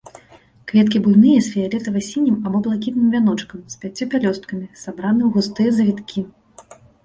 Кветкі буйныя з фіялетава-сінім або блакітным вяночкам, з пяццю пялёсткамі, сабраны ў густыя завіткі.